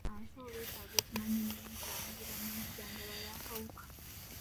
Abasawo beetaaga okumanya eneetangira n'enzijanjaba y'akawuka.